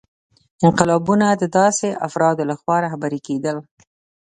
انقلابونه د داسې افرادو لخوا رهبري کېدل.